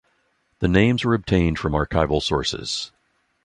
The names were obtained from archival sources.